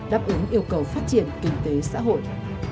đáp ứng yêu cầu phát triển kinh tế xã hội